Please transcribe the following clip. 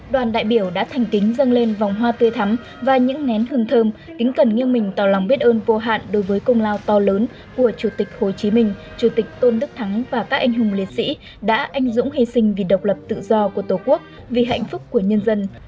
đoàn đại biểu đã thành kính dâng lên vòng hoa tươi thắm và những nén hương thơm kính cẩn nghiêng mình tỏ lòng biết ơn vô hạn đối với công lao to lớn của chủ tịch hồ chí minh chủ tịch tôn đức thắng và các anh hùng liệt sĩ đã anh dũng hy sinh vì độc lập tự do của tổ quốc vì hạnh phúc của nhân dân